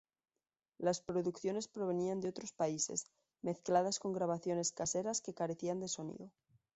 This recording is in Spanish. Las producciones provenían de otros países, mezcladas con grabaciones caseras, que carecían de sonido.